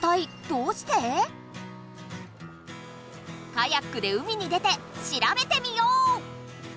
カヤックで海に出てしらべてみよう！